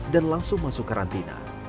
dan langsung masuk karantina